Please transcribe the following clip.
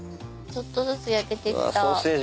ちょっとずつ焼けてきた。